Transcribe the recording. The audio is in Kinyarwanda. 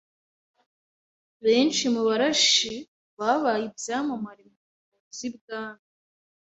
Benshi mu Barashi babaye ibyamamare mu ngabo z’i bwami